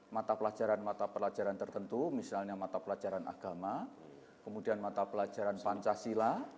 mata pelajaran mata pelajaran tertentu misalnya mata pelajaran agama kemudian mata pelajaran pancasila